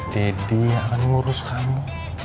daddy yang akan ngurus kamu